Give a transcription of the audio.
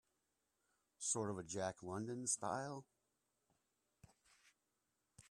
Sort of a Jack London style?